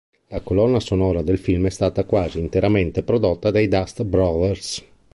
La colonna sonora del film è stata quasi interamente prodotta dai Dust Brothers.